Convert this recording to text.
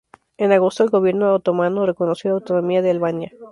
En agosto, el Gobierno otomano reconoció la autonomía de Albania.